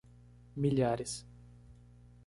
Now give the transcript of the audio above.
Milhares